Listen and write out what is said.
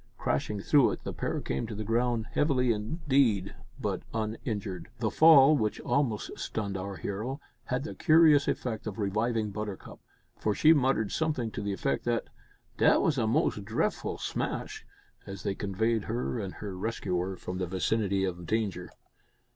Crashing through it the pair came to the ground, heavily indeed, but uninjured! The fall, which almost stunned our hero, had the curious effect of reviving Buttercup, for she muttered something to the effect that, "dat was a mos' drefful smash," as they conveyed her and her rescuer from the vicinity of danger.